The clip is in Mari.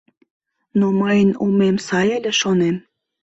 Но мыйын омем сай ыле, шонем.